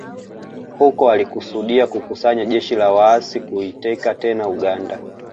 Huko alikusudia kukusanya jeshi la waasi kuiteka tena Uganda